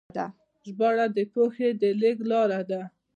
ژباړه د پوهې د لیږد لاره ده.